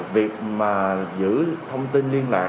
việc mà giữ thông tin liên lạc